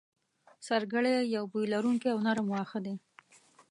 سرګړی یو بوی لرونکی او نرم واخه دی